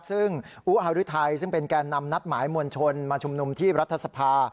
ซึ่งอุฮารุทัยซึ่งเป็นแก่นำนัดหมายมวลชนมาชุมนุมที่รัฐสภา